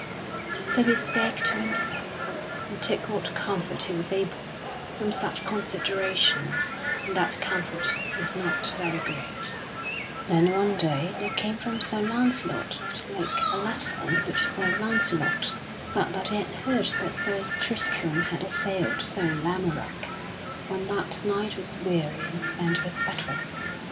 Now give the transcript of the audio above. So he spake to himself, and took what comfort he was able from such considerations, and that comfort was not very great. [Sidenote: Sir Launcelot sends a letter to Sir Tristram] Then one day there came from Sir Launcelot of the Lake a letter in which Sir Launcelot said that he had heard that Sir Tristram had assailed Sir Lamorack when that knight was weary and spent with battle.